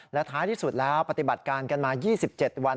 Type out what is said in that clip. และท้ายที่สุดแล้วปฏิบัติการกันมา๒๗วัน